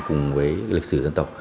cùng với lịch sử dân tộc